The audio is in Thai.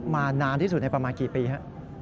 มานานที่สุดในประมาณกี่ปีฮะ